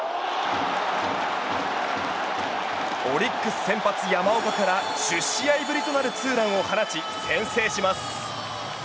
オリックス先発、山岡から１０試合ぶりとなるツーランを放ち先制します。